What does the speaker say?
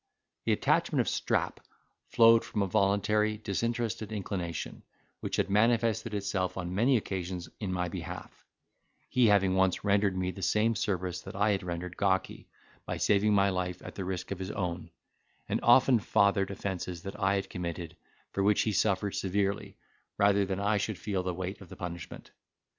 The attachment of Strap flowed from a voluntary, disinterested inclination, which had manifested itself on many occasions in my behalf, he having once rendered me the same service that I had rendered Gawky, by saving my life at the risk of his own; and often fathered offences that I had committed, for which he suffered severely, rather than I should feel the weight of the punishment.